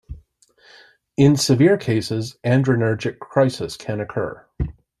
In severe cases, adrenergic crisis can occur.